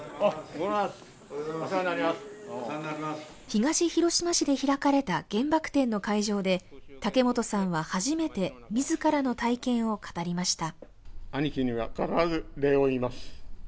東広島市で開かれた原爆展の会場で竹本さんは初めて自らの体験を語りました。